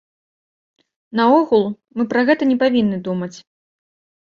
Наогул, мы пра гэта не павінны думаць.